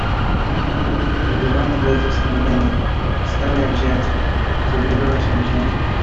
"Budowane bez zastanowienia, stały jak zielsko, co wydobywa się z ziemi."